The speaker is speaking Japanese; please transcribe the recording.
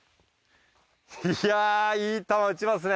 いやいい球打ちますね。